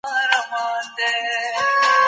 هغه ئې سر ور وخرايه.